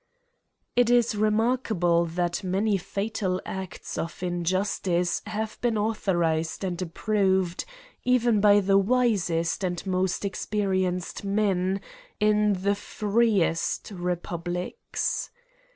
IT is remarkable, that many fatal acts of injus tice have been authorised and approved, even by the wisest and most experienced men, in the freest republics.